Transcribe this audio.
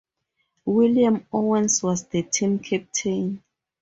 William Owens was the team captain.